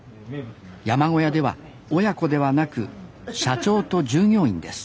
山小屋では親子ではなく社長と従業員です